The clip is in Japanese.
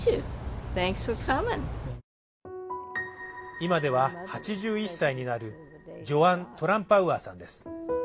今では８１歳になるジョアン・トランパウアーさんです。